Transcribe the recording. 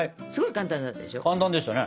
簡単でしたね。